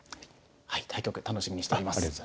はい対局楽しみにしております。